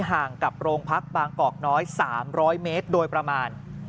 ห่างกับโรงพักบางกอกน้อย๓๐๐เมตรโดยประมาณ